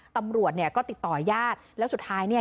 ตำรวจเนี่ยก็ติดต่อยาดแล้วสุดท้ายเนี่ย